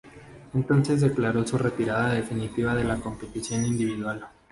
Entonces declaró su retirada definitiva de la competición individual.